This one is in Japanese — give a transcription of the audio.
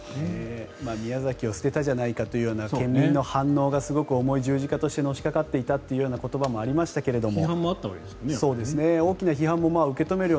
宮崎を捨てたじゃないかという県民の反応がすごく重い十字架としてのしかかっていたという言葉もありましたけれども。